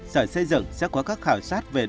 sở xây dựng sẽ có các khảo sát về